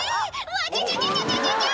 「わちゃちゃちゃ！」